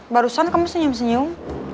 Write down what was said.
barusan kamu senyum senyum